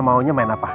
si buruk rupa